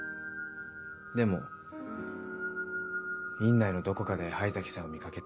でも院内のどこかで灰崎さんを見掛けて